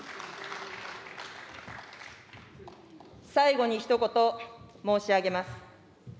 最後にひと言、申し上げます。